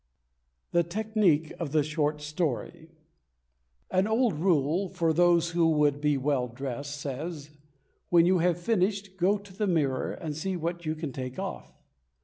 The Technique of the Short Story An old rule for those who would be well dressed says: "When you have finished, go to the mirror and see what you can take off."